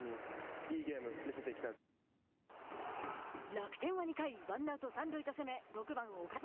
楽天は２回ワンアウト、三塁と攻め６番、岡島。